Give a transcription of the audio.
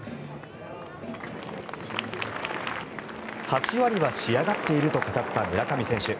８割は仕上がっていると語った村上選手。